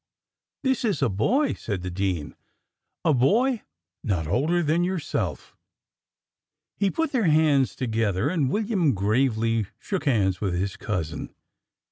"This is a boy," said the dean; "a boy not older than yourself." He put their hands together, and William gravely shook hands with his cousin.